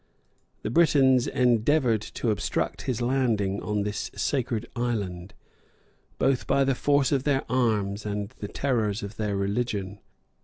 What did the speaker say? The Britons endeavored to obstruct his landing on this sacred island, both by the force of their arms and the terrors of their religion.